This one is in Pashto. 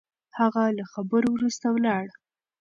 هغه له خبرو وروسته ولاړ.